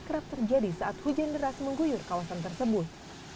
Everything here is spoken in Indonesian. kerap terjadi saat hujan deras mengguyur kawasan tersebut